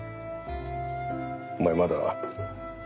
お前まだ。